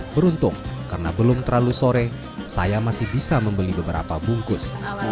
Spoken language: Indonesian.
beruntung karena belum terlalu sore saya masih bisa membeli beberapa bungkus